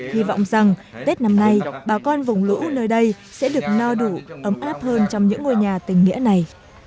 hy vọng rằng tết năm nay bà con vùng lũ nơi đây sẽ được no đủ ấm áp hơn trong những ngôi nhà tình nghĩa này